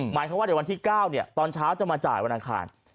หมายถึงเดี๋ยวว่าวันที่๙ตอนเช้าจะมาจ่ายวันอาคาร